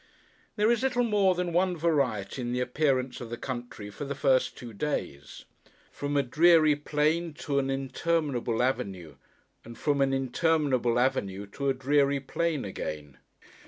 There is little more than one variety in the appearance of the country, for the first two days. From a dreary plain, to an interminable avenue, and from an interminable avenue to a dreary plain again.